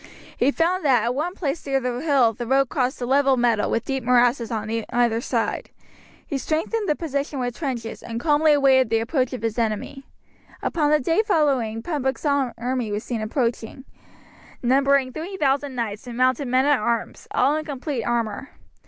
He found that at one place near the hill the road crossed a level meadow with deep morasses on either side. He strengthened the position with trenches, and calmly awaited the approach of his enemy. Upon the following day Pembroke's army was seen approaching, numbering 3000 knights and mounted men at arms, all in complete armour.